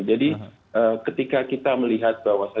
jadi ketika kita melihat bahwa